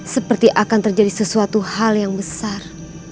seperti akan terjadi sesuatu hal yang besar